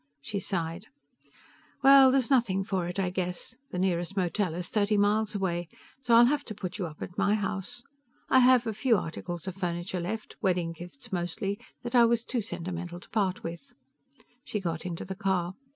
She sighed. "Well, there's nothing for it, I guess. The nearest motel is thirty miles away, so I'll have to put you up at my house. I have a few articles of furniture left wedding gifts, mostly, that I was too sentimental to part with." She got into the car.